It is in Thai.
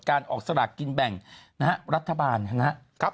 การออกสลักกินแบ่งนะครับรัฐบาลนะครับ